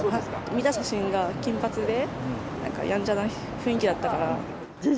見た写真が金髪で、なんかやんちゃな雰囲気だったから。